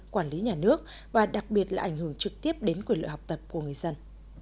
quản lý nhà nước và đặc biệt là ảnh hưởng trực tiếp đến quyền lựa học tập của người dân